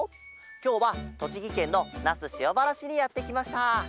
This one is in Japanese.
きょうはとちぎけんのなすしおばらしにやってきました。